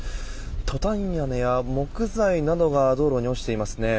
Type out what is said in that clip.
トタン屋根や木材などが道路に落ちていますね。